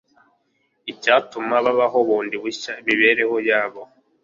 icyatuma babaho bundi bushya imibereho yabo